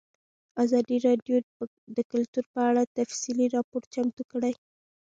ازادي راډیو د کلتور په اړه تفصیلي راپور چمتو کړی.